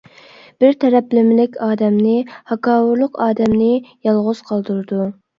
بىر تەرەپلىمىلىك ئادەمنى. ھاكاۋۇرلۇق ئادەمنى يالغۇز قالدۇرىدۇ.